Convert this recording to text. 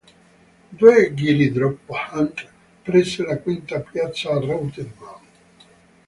Due giri dopo Hunt prese la quinta piazza a Reutemann.